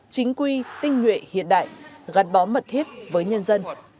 chính quy tinh nguyện hiện đại gắn bó mật thiết với nhân dân